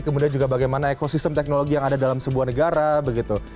kemudian juga bagaimana ekosistem teknologi yang ada dalam sebuah negara begitu